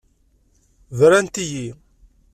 Brant-iyi.